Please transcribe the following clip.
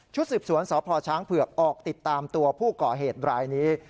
สืบสวนสพช้างเผือกออกติดตามตัวผู้ก่อเหตุรายนี้